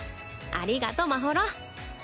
ありがとまほろ絢。